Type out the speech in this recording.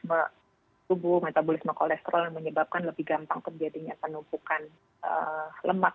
tubuh metabolisme kolesterol yang menyebabkan lebih gampang terjadinya penumpukan lemak